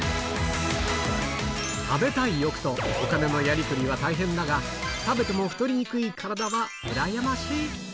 食べたい欲とお金のやりくりは大変だが、食べても太りにくい体は羨ましい。